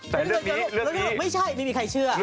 แต่เรื่องนี้ไม่ใช่ไม่มีใครเชื่อ